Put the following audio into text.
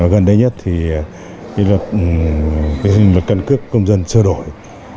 gần đây nhất thì cái luật cân cước công dân sơ đổi